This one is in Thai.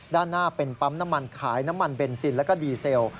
ด้านหน้าเป็นปั๊มน้ำมันขายน้ำมันเบนซินแล้วก็ดีเซล